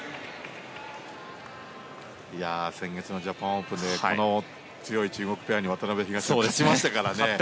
先月のジャパンオープンでこの強い中国ペアに渡辺、東野は勝ちましたからね。